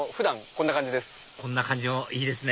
こんな感じもいいですね